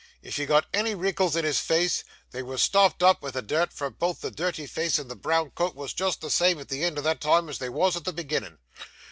If he got any wrinkles in his face, they were stopped up vith the dirt, for both the dirty face and the brown coat wos just the same at the end o' that time as they wos at the beginnin'.